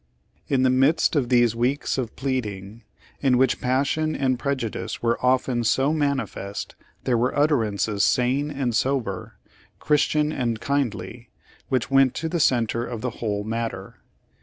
In the midst of these weeks of pleading, in which passion and prejudice were often so mani fest, there were utterances sane and sober, Chris tian and kindly, which went to the center of the whole matter.